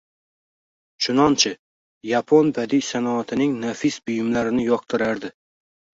Chunonchi, yapon badiiy sanoatining nafis buyumlarini yoqtirardi